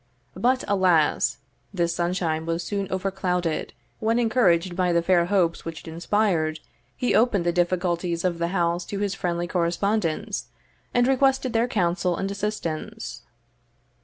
But, alas! this sunshine was soon overclouded, when, encouraged by the fair hopes which it inspired, he opened the difficulties of the house to his friendly correspondents, and requested their counsel and assistance.